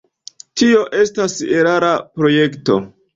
Tio estas erara projekto.